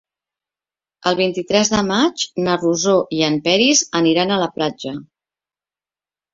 El vint-i-tres de maig na Rosó i en Peris aniran a la platja.